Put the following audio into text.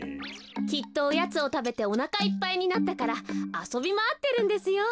きっとオヤツをたべておなかいっぱいになったからあそびまわってるんですよ。